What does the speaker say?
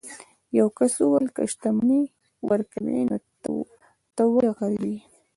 یو کس وویل که شتمني ورکوي نو ته ولې غریب یې.